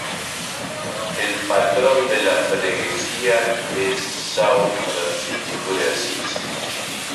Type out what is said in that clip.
El patrón de la freguesia es São Francisco de Assis.